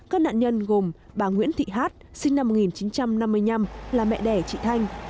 các nạn nhân gồm bà nguyễn thị hát sinh năm một nghìn chín trăm năm mươi năm là mẹ đẻ chị thanh